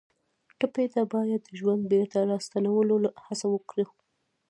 ټپي ته باید د ژوند بېرته راستنولو هڅه وکړو.